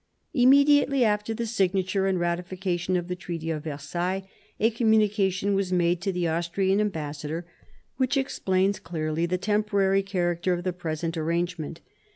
Immediately after the signature and ratification of the Treaty of Versailles, a communication was made to the Austrian ambassador, which explains clearly the temporary character of the present arrangement.